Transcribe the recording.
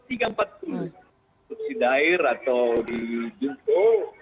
di tutsi dair atau di junko tiga ratus tiga puluh delapan